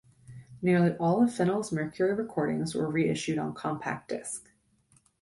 Nearly all of Fennell's Mercury recordings were reissued on compact disc.